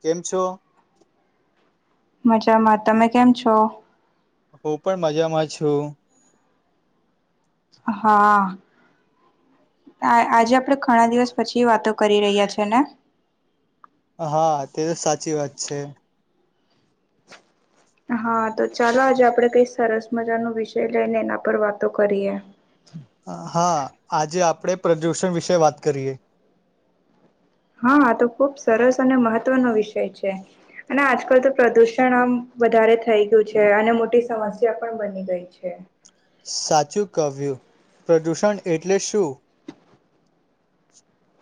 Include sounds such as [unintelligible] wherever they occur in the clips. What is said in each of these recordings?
કેમ છો. મજામાં તમે કેમ છો. હું પણ મજામાં છું. હા આજે આપડે ઘણા દિવસ પછી વાતો કરી રહ્યા છે ને? હા તે તો સાચી વાત છે. હા તો ચાલો આજે આપડે કઈ સરસ મજા નો વિષય લઈને એના પર વાતો કરીએ. હા આજે આપડે પ્રદૂષણ વિશે વાત કરીએ. હા તો ખુબ સરસ અને મહત્વનો વિષય છે અને આજકાલ તો પ્રદુષણ આમ વધારે થઈ ગયું છે અને મોટી સમસ્યા પણ બની ગઈ છે. સાચું કવ્યું પ્રદૂષણ એટલે શું.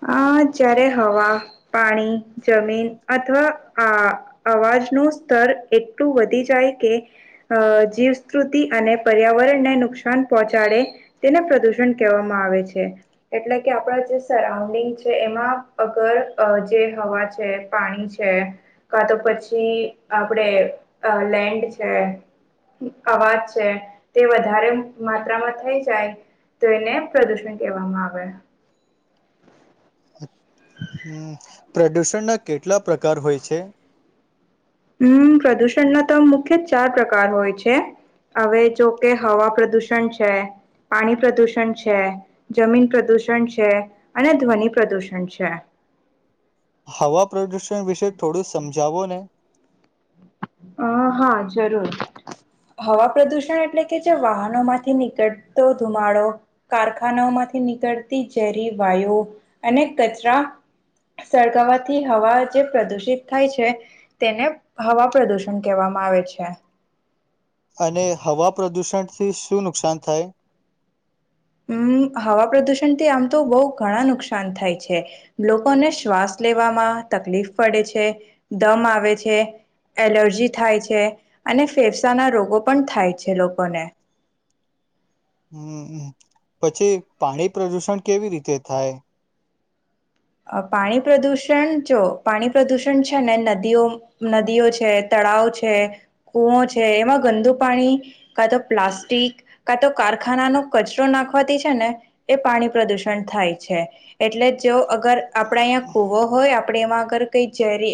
હ જ્યારે હવા પાણી જમીન અથવા આ અવાજનું સ્તર એટલું વધી જાય કે જીવસ્તુતિ અને પર્યાવરણને નુકસાન પહોંચાડે તેને પ્રદુષણ કહેવામાં આવે છે એટલે કે આપણા જે સ. [unintelligible] છે એમાં અગર જે હવા છે પાણી છે કા તો પછી આપણે લેન્ડ છે અવાજ છે તે વધારે માત્રામાં થઈ જાય તો એને પ્રદુષણ કહેવામાં આવે. હમ્મ પ્રદૂષણના કેટલા પ્રકાર હોય છે? હમ્મ પ્રદૂષણનો તો મુખ્ય ચાર પ્રકાર હોય છે હવે જોકે હવા પ્રદુષણ છે, પાણી પ્રદુષણ છે, જમીન પ્રદૂષણ છે અને ધ્વનિ પ્રદુષણ છે. હવા પ્રદુષણ વિશે થોડું સમજાવો ને. અ હા જરૂર હવા પ્રદુષણ એટલે કે જે વાહનો માંથી નીકળતો ધુમાડો કારખાનાઓ માંથી નીકળતી ઝેરી વાયુ અને કચરા સળગાવવાથી હવા જે પ્રદુષિત થાય છે તેને હવા પ્રદુષણન કહેવામાં આવે છે. અને હવા પ્રદૂષણથી શું નુકસાન થાય. હમ હવા પ્રદુષણથી આમ તો બહુ ઘણા નુકસાન થાય છે લોકોને શ્વાસ લેવામાં તકલીફ પડે છે દમ આવે છે એલર્જી થાય છે અને ફેફસાના રોગો પણ થાય છે લોકોને. હમ્મ હમ્મ પછી પાણી પ્રદુષણ કેવી રીતે થાય? પાણી પ્રદુષણ જો પાણી પ્રદુષણ છે ને નદીઓ નદીઓ છે તળાવ છે કૂવો છે એમાં ગંદુ પાણી કા તો પ્લાસ્ટિક કા તો કારખાનાનો કચરો નાખવાથી છે ને એ પાણી પ્રદુષણ થાય છે એટલે જો. અગર આપડે અહીં કુવો હોય આપડે એમાં અગર કઈ ઝેરી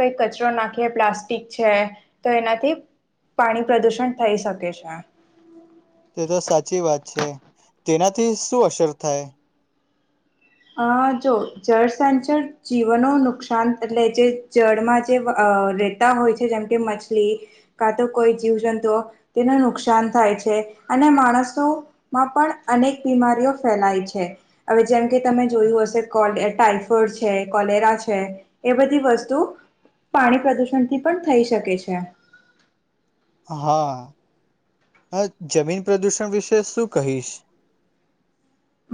કંઈક કચરો નાખીએ પ્લાસ્ટિક છે તો એનાથી પાણી પ્રદુષણ થઈ શકે છે. તે તો સાચી વાત છે. તેનાથી શું અસર થાય. અ જો જળ સંંચળ જીવનો નુકસાન એટલે જે જળમાં જે રહેેતા હોય છે જેમ કે મછલી કા તો કોઈ જીવજંતુઓ તેને નુકસાન થાય છે અને માણસોમાં પણ અનેક બીમારીઓ ફેલાય છે હવે જેમ. તમે જોયું હશે ટાઈફોઈડ છે કોલેરા છે એ બધી વસ્તુ પાણી પ્રદુષણથી પણ થઈ શકે છે. હા હ જમીન પ્રદુષણ વિશે શું કહીશ?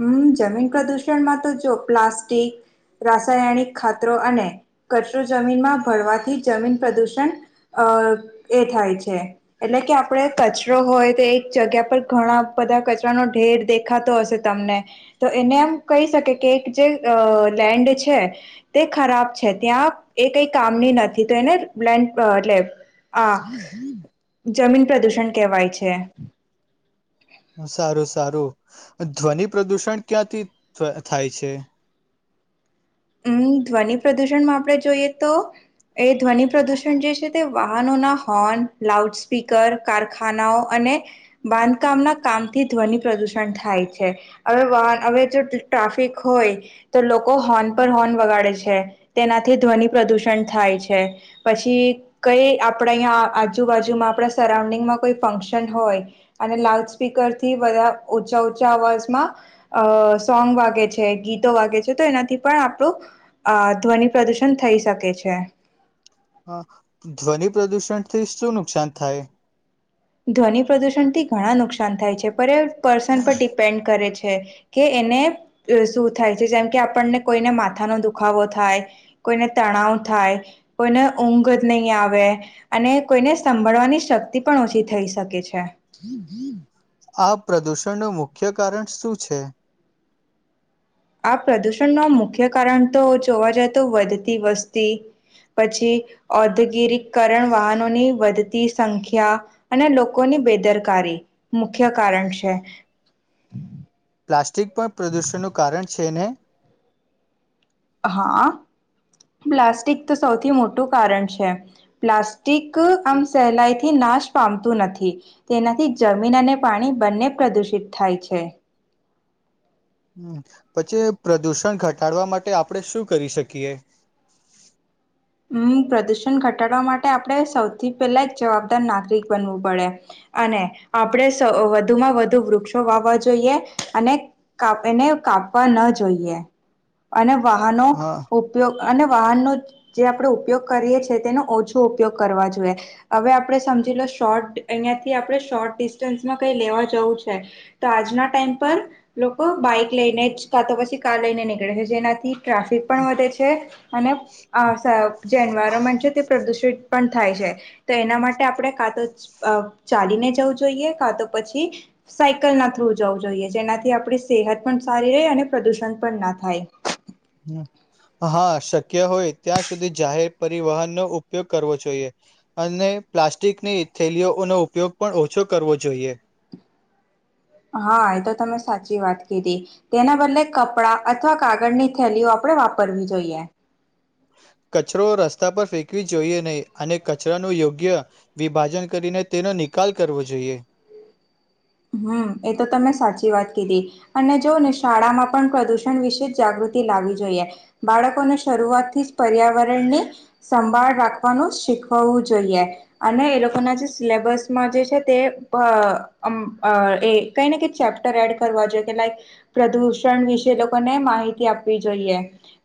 હમ્મ જમીન પ્રદુષણમાં તો જો પ્લાસ્ટિક રાસાયણિક ખાતરો અને કચરો જમીનમાં ભરવાથી જમીન પ્રદુષણ અ એ થાય છે એટલે કે આપડે કચરો હોય તે એક જગ્યા પર ઘણા બધા કચરાનો ઢેર દેખાતો હશે તમને તો એને એમ કહી શકે કે એક જે લેન્ડ છે તે ખરાબ છે. ત્યાં એ કઈ કામની નથી, તો એને લેન્ડ એટલે આ જમીન પ્રદૂષણ કેહેવાય છે. સારું સારું ધ્વનિ પ્રદુષણ ક્યાંથી થાય છે? ઉમમ ધ્વનિ પ્રદુષણમાં આપણે જોઈએ તો એ ધ્વનિ પ્રદૂષણ જે છે તે વાહનો ના હોર્ન, લાઉડ સ્પીકર, કારખાનાઓ અને બાંધકામના કામથી ધ્વનિ પ્રદુષણ થાય છે. હવે વાહ હવે જો ટ્રાફિક હોય તો લોકો હોર્ન પર હોર્ન વગાડે છે. તેનાથી ધ્વનિ પ્રદૂષણ થાય છે. પછી કઈ આપડા અહીંયા આજુબાજુમાં આપડા સરાઉન્ડિંગમાં કોઈ ફંક્શન હોય અને લાઉડ સ્પીકરથી બધા ઉંચા ઉંચા અવાજમાં અ સોંગ વાગે છે, ગીતો વાગે છે. તો એનાથી પણ આપણું અ ધ્વનિ પ્રદૂષણ થઈ શકે છે. હા ધ્વનિ પ્રદુષણ થી શું નુકસાન થાય? ધ્વનિ પ્રદુષણ થી ઘણા નુકસાન થાય છે. પર એ પર્સન પર ડિપેન્ડ કરે છે. [unintelligible] કે એને શું થાય છે, જેમ કે આપણને કોઈને માથાનો દુખાવો થાય, કોઈને તણાવ થાય, કોઈને ઊંઘ નહી આવે, અને કોઈને સાભળવાની શક્તિ પણ ઓછી થઈ શકે છે. આ પ્રદૂષણનું મુખ્ય કારણ શું છે? આ પ્રદૂષણ નું મુખ્ય કારણ તો જોવા જતું વધતી વસ્તી પછી, ઔદગરકરણ, વાહનોની વધતી સંખ્યા, અને લોકોની બેદરકારી મુખ્ય કારણ છે. પ્લાસ્ટિક પણ પ્રદૂષણનું કારણ છે ને! હા પ્લાસ્ટિક તો સૌથી મોટું કારણ છે. પ્લાસ્ટિક આમ સહેલાઈથી નાશ પામતું નથી તેનાથી જમીન અને પાણી બંને પ્રદુષિત થાય છે. હમ્મ પછી પ્રદુષણ ઘટાડવા માટે આપણે શું કરી શકીએ? હમ્મ પ્રદુષણ ઘટાડવા માટે આપણે સૌથી પહેલા એક જવાબદાર નાગરિક બનવું પડે. અને આપણે વધુમાં વધુ વૃક્ષો વાવવા જોઈએ અને એને કાપવા ન જોઈએ, અને વાહનો હા ઉપયોગ અને વાહન ન જે આપણે ઉપયોગ કરીએ છીએ તેનો ઓછો ઉપયોગ કરવા જોઈએ. હવે આપણે સમજી લો શોર્ટ અહીયાયાથી આપણે શોર્ટ ડિસ્ટન્સમાં કઈ લેવા જવું છે તો, આજના ટાઈમ પર લોકો બાઈક લઈને જ કાર તો પછી કા લઈને નીકળે છે જેનાથી ટ્રાફિક પણ વધે છે. અને જે એન્વાયરમેન્ટ છે પ્રદૂષિત પણ થાય છે. તો એના માટે આપણે કાં તો ચાલીને જવું જોઈએ, કાં તો પછી સાયકલ ના થ્રુ જવું જોઈએ, જેનાથી આપણી સેહત પણ સારી રહે અને પ્રદુષણ પણ ના થાય. હા શક્ય હોય ત્યાં સુધી જાહેર પરિવહનનો ઉપયોગ કરવો જોઈએ. અને પ્લાસ્ટિકની થેલીઓનો ઉપયોગ પણ ઓછો કરવો જોઈએ. હા એ તો તમે સાચી વાત કીધી, તેના બદલે કપડાં અથવા કાગળની થેલીઓ આપણેે વાપરવી જોઈએ‌. કચરો રસ્તા પર ફેંકવી જોઈએ નહીં અને કચરાનું યોગ્ય વિભાજન કરીને તેનો નિકાલ કરવો જોઈએ. હમ્મ એ તો તમે સાચી વાત કીધી. અને જોઓ ને શાળામાં પણ પ્રદુષણ વિશે જાગૃતિ લાવવી જોઈએ. બાળકોને શરૂઆત થી જ પર્યાવરણની સંભાળ રાખવાનું શીખવવું જોઈએ. અને એ લોકોના જે સિલેબસમાં જે છે તે એ કઈ ને કે ચેપ્ટર એડ કરવા જોઈએ કે લાઈક પ્રદૂષણ વિશે લોકોને માહિતી આપવી જોઈએ.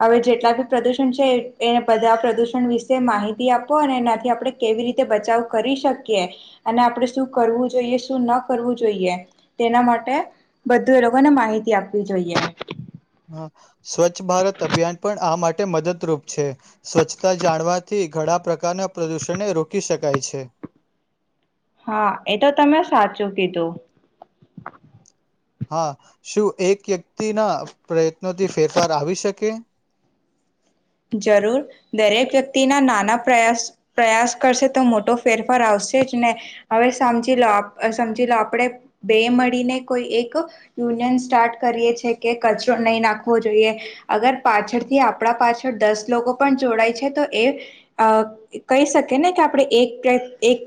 હવે જેટલા બી પ્રદૂષણ છે, એ બધા પ્રદૂષણ વિશે માહિતી આપો અને એનાથી આપણે કેવી રીતે બચાવ કરી શકીએ અને આપણે શું કરવું? જોઈએ શું ન કરવું જોઈએ, તેના માટે બધું એ લોકોને માહિતી આપવી જોઈએ. સ્વચ્છ ભારત અભિયાન પણ આ માટે મદદરૂપ છે. સ્વચ્છતા જાણવાથી ઘણા પ્રકારના પ્રદૂષણને રોકી શકાય છે. હા એ તો તમે સાચું કીધું. હા શું એક વ્યક્તિના પ્રયત્નોથી ફેરફાર આવી શકે? જરૂર. દરેક વ્યક્તિના નાના પ્રયાસ પ્રયાસ કરશે, તો મોટો ફેરફાર આવશે જ ને. હવે સમજી લો સમજી લો આપણે બે મળીને કોઈ એક યુનિયન સ્ટાર્ટ કરીએ છે કે કચરો નહીં નાખવો જોઈએ અગર પાછળથી આપણા પાછળ દસ લોકો પણ જોડાય છે. તો એ કહી શકે ને કે આપણે એક એક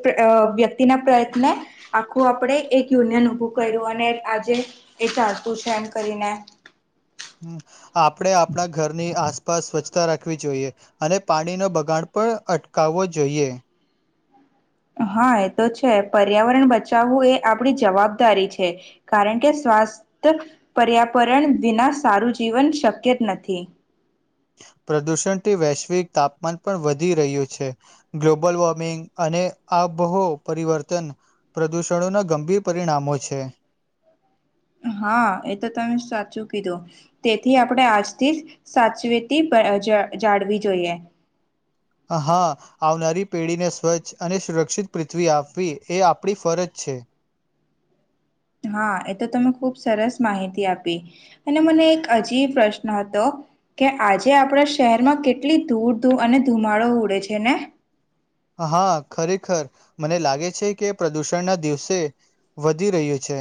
વ્યક્તિના પ્રયત્ને આખું આપણે એક યુનિયન ઉભું કર્યું. અને આજે એ ચાલતું છે એમ કરીને. હમ્મ. આપળે આપળા ઘરની આસપાસ સ્વચ્છ તા રાખવી જોઈએ અને પાણીનો બગાડ પણ અટકાવવો જોઈએ. હા, એ તો છે. પર્યાવરણ બચાવવું એ આપણી જવાબદારી છે. કારણ કે, સ્વાસ્થ પર્યાપરણ દીના સારું જીવન શક્ય જ નથી. પ્રદૂષણથી વૈશ્વિક તાપમાન પણ વધી રહ્યું છે. ગ્લોબલ વોર્મિંગ અને આબહો પરિવર્તન પ્રદૂષણોના ગંભીર પરિણામો છે. હા, એ તો તમે સાચું કીધું તેથી આપણે આજથી જ સાચવેતી પ જ જાળવી જોઈએ. હા, આવનારી પેળીને સ્વચ્છ અને સુરક્ષિત પૃથ્વી આપવી એ આપણી ફરજ છે. હા, એ તો તમે ખુબ સરસ માહિતી આપી અને મને એક અજી પ્રશ્ન હતો કે આજે આપણા શહેરમાં કેટલી ધૂળ ધૂળ અને ધુમાડો ઉડે છે ને? હા, ખરેખર. મને લાગે છે કે પ્રદૂષણના દિવસે વધી રહ્યું છે.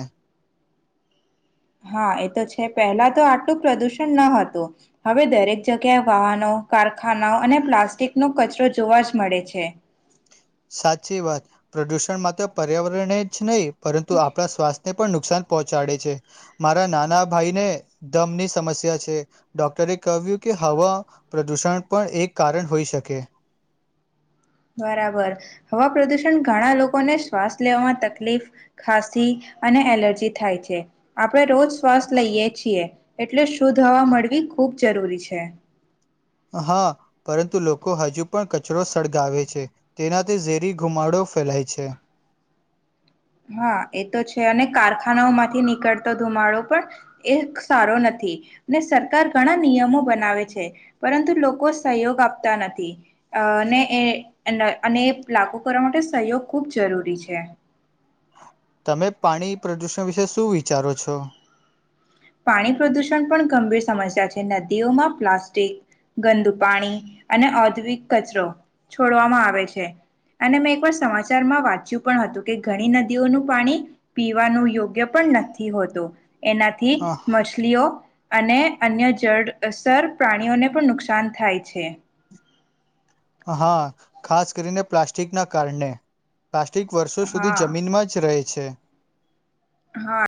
હા, એ તો છે. પહેલા તો આટલું પ્રદુષણ ન હતું, હવે દરેક જગ્યાએ વાહનો, કારખાનાઓ અને પ્લાસ્ટિકનો કચરો જોવા જ મળે છે. સાચી વાત. પ્રદુષણ માત્ર પર્યાવરણે જ નહી પરંતુ આપણા સ્વાસ્થ્યને પણ નુકસાન પહોંચાડે છે. મારા નાના ભાઈને દમની સમસ્યા છે. ડોક્ટરે કવ્યુ કે હવા પ્રદૂષણ પણ એક કારણ હોઈ શકે. બરાબર. હવા પ્રદુષણ ઘણા લોકોને શ્વાસ લેવામાં તકલીફ, ખાંસી અને એલર્જી થાય છે. આ પળે રોજ શ્વાસ લઈએ છીએ. એટલે શુદ્ધ હવા મળવી ખૂબ જરૂરી છે. હા, પરંતુ લોકો હજુ પણ કચરો સળગાવે છે. તેનાથી ઝેરી ઘુમાડો ફેલાય છે. હા, એ તો છે અને કારખાનાઓ માંથી નીકળતો ધુમાડો પણ એ સારો નથી ને સરકાર ઘણા નિયમો બનાવે છે. પરંતુ લોકો સહયોગ આપતા નથી અને એ એન અને એ લાગુ કરવા માટે સહયોગ ખૂબ જરૂરી છે. મે પાણી પ્રદૂષણ વિશે શું વિચારો છો? પાણી પ્રદુષણ પણ ગંભીર સમસ્યા છે નદીઓમાં પ્લાસ્ટિક, ગંદુ પાણી, અને ઔદગિક કચરો, છોડવામાં આવે છે, અને મેં એકવાર સમાચારમાં વાંચ્યું પણ હતું કે ઘણી નદીઓનું પાણી પીવાનું યોગ્ય પણ નથી હોતું, એના અ, મછલીઓ. અને અન્ય જળસર પ્રાણીઓને પણ નુકસાન થાય છે. હા, ખાસ કરીને પ્લાસ્ટિકના કારણે. પ્લાસ્ટિક વર્ષો સુધી હા જમીનમાં જ રહે છે. હા,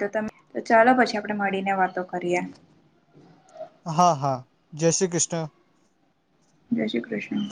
તો તમે ચાલો પછી આપણેે મળીને વાતો કરીએ. હા હા જય શ્રી કૃષ્ણ. જય શ્રી કૃષ્ણ.